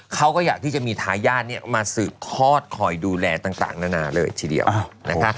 เขาก็อยากที่จะมีทายาทเนี่ยมาสืบทอดคอยดูแลต่างนานาเลยทีเดียวนะคะ